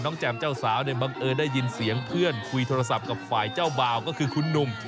แจ่มเจ้าสาวเนี่ยบังเอิญได้ยินเสียงเพื่อนคุยโทรศัพท์กับฝ่ายเจ้าบ่าวก็คือคุณหนุ่ม